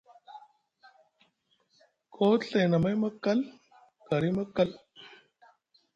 Koo te Ɵay nʼamay maa kal, gari maa kal.